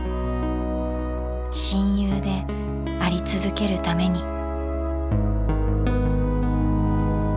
親友であり続けるために。